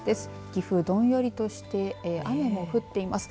岐阜、どんよりとして雨も降っています。